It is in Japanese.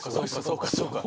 そうかそうか。